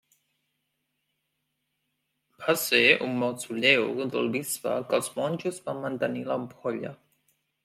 Va ser en el mausoleu del bisbe que els monjos van mantenir l'ampolla.